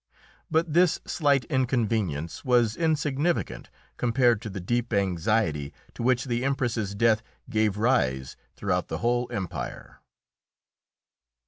But this slight inconvenience was insignificant compared to the deep anxiety to which the Empress's death gave rise throughout the whole empire.